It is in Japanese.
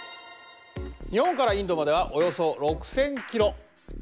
日本からインドまではおよそ６，０００ｋｍ。